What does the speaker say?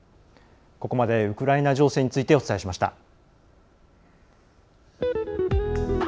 ここまでウクライナ情勢についてお伝えしました。